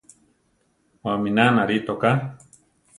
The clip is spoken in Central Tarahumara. Wamína narí toká.